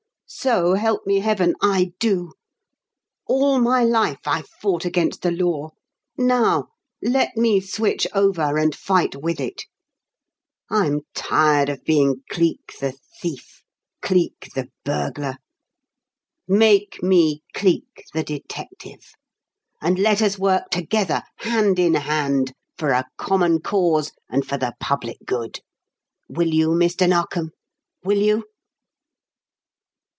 So help me heaven, I do. All my life I've fought against the law now let me switch over and fight with it. I'm tired of being Cleek, the thief; Cleek, the burglar. Make me Cleek, the detective, and let us work together, hand in hand, for a common cause and for the public good. Will you, Mr. Narkom? Will you?"